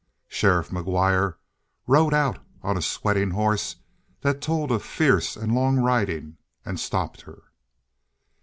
Sheriff McGuire rode out on a sweating horse that told of fierce and long riding and stopped her.